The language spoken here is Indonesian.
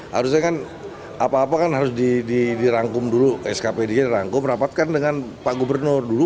harusnya kan apa apa kan harus dirangkum dulu skpd dirangkum rapatkan dengan pak gubernur dulu